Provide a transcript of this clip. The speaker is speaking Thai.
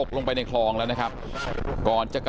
ก็ถึงทราบว่ามีทั้งคนเจ็บและคนเสียชีวิต